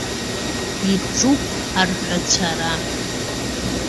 Иаҿуп арҳәацәара.